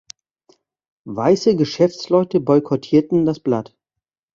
Weiße Geschäftsleute boykottierten das Blatt.